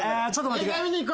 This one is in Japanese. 映画見に行こう！